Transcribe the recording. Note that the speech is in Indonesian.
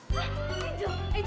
lari ke sini pak